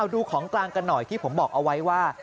ดูของกลางกันหน่อยที่ผมบอกเอาไว้ว่า